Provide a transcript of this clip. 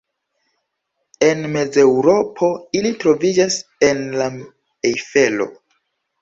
En Mezeŭropo ili troviĝas en la Ejfelo.